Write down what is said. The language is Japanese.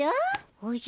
おじゃ？